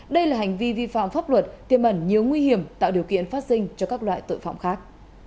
đây là hành vi vi phạm pháp luật tiêm ẩn nhiều nguy hiểm tạo điều kiện phát sinh cho các loại tội phạm khác